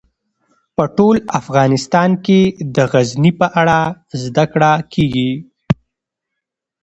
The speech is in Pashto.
په ټول افغانستان کې د غزني په اړه زده کړه کېږي.